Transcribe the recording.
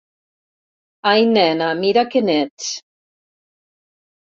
Ai nena, mira que n'ets!